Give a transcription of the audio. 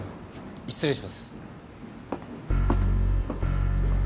失礼します。